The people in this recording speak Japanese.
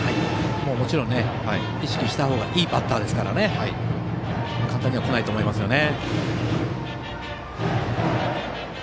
もちろん、意識したほうがいいバッターですから簡単にはこないと思いますよね。